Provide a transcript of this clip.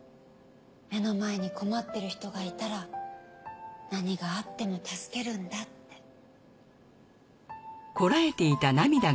目の前に困ってる人がいたら何があっても助けるんだって。